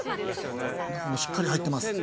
中もしっかり入ってます。